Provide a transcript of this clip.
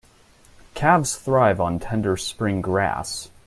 Calves thrive on tender spring grass.